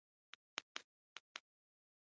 دې وخت کښې مې نيکه مړ سو.